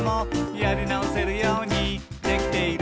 「やりなおせるようにできている」